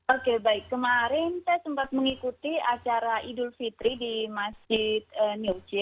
oke baik kemarin saya sempat mengikuti acara idul fitri di masjid new c